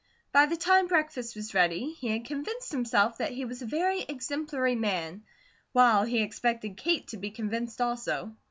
By the time breakfast was ready, he had convinced himself that he was a very exemplary man, while he expected Kate to be convinced also.